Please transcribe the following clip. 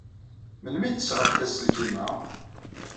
Melmi ay d-tesɣamt aselkim-a?